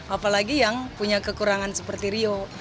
apalagi yang punya kekurangan seperti rio